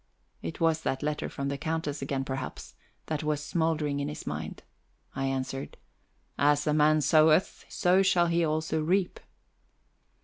It was that letter from the Countess again, perhaps, that was smouldering in his mind. I answered: "As a man soweth, so shall he also reap."